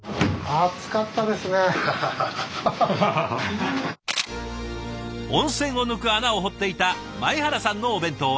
温泉を抜く穴を掘っていた前原さんのお弁当は？